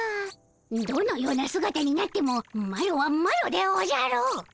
どのようなすがたになってもマロはマロでおじゃる。